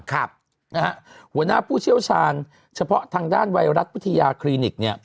หัวหน้าผู้เชี่ยวชาญเฉพาะทางด้านไวรัสวิทยาคลินิกเนี่ย